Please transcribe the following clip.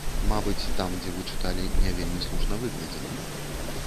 Мабыць, там, дзе вы чыталі, не вельмі слушна выкладзена.